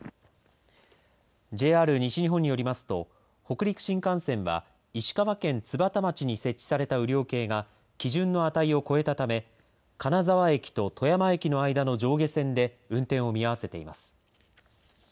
ＪＲ西日本によりますと北陸新幹線は石川県津幡町に設置された雨量計が基準の値を超えたため金沢駅と富山駅の間の上下線で運転を見合わせています。